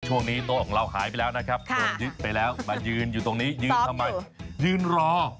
ช่วงนี้โต๊ะของเราหายไปแล้วนะครับโดนยึดไปแล้วมายืนอยู่ตรงนี้ยืนทำไมยืนรอ